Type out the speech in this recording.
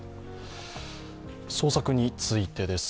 捜索についてです。